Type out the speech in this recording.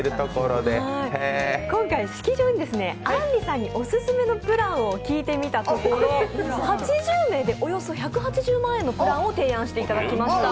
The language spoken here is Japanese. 今回、式場にあんりさんにオススメのプランを聞いてみたところ８０名でおよそ１８０万円のプランを提案していただきました。